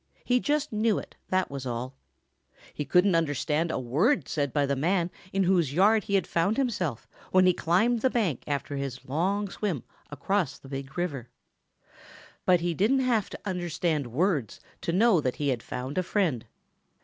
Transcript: He just knew it, that was all. He couldn't understand a word said by the man in whose yard he found himself when he climbed the bank after his long swim across the Big River. But he didn't have to understand words to know that he had found a friend.